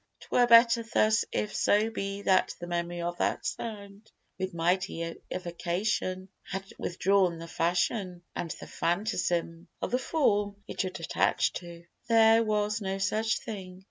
'Twere better thus If so be that the memory of that sound With mighty evocation, had updrawn The fashion and the phantasm of the form It should attach to. There was no such thing.